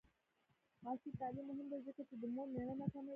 عصري تعلیم مهم دی ځکه چې د مور مړینه کموي.